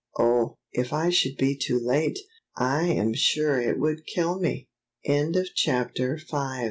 Oh, if I should be too late, I am sure it would kill me!" CHAPTER VI.